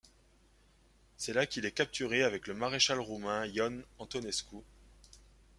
C'est là qu'il est capturé avec le maréchal roumain Ion Antonescu.